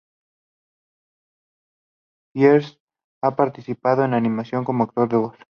Pierce ha participado en animaciones como actor de voz.